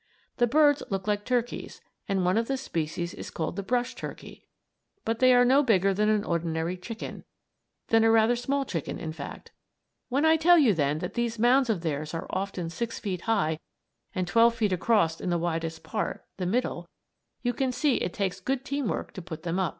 The birds look like turkeys, and one of the species is called the "brush turkey," but they are no bigger than an ordinary chicken than a rather small chicken, in fact. When I tell you, then, that these mounds of theirs are often six feet high and twelve feet across in the widest part, the middle, you can see it takes good team work to put them up.